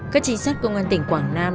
các trinh sát công an tỉnh quảng nam